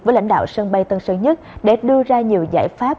với lãnh đạo sân bay tân sơn nhất để đưa ra nhiều giải pháp